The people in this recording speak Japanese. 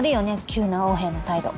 急な横柄な態度。